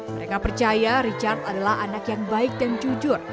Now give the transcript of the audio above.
mereka percaya richard adalah anak yang baik dan jujur